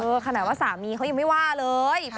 ขนาดว่าสามีเขายังไม่ว่าเลย